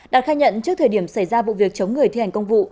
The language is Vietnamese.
đạt khai nhận trước thời điểm xảy ra vụ việc chống người thi hành công vụ